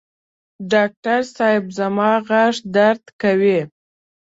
ډاکټر صېب زما غاښ درد کوي